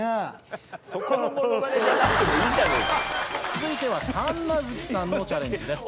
続いては神奈月さんのチャレンジです。